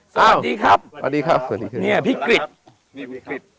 สวัสดีครับสวัสดีครับสวัสดีครับเนี่ยพี่กริจพี่วิกฤต